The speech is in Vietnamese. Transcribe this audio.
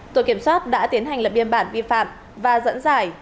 tổ kiểm soát đã tiến hành lập biên bản vi phạm và dẫn giải